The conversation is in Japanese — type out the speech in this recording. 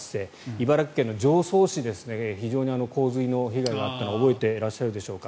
茨城県常総市非常に洪水の被害があったのを覚えてますでしょうか。